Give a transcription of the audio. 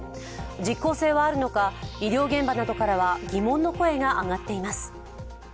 実効性はあるのか、医療現場などからは疑問の声が上がっています。